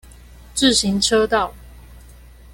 自行車道